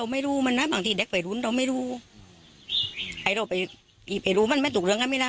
ไม่รู้ขอยาเป็นเลือดใช้